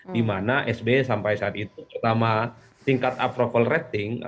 dimana sbe sampai saat itu terutama tingkat approval rating